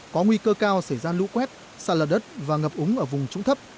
có nguy cơ cao xảy ra lũ quét xa lở đất và ngập úng ở vùng trũng thấp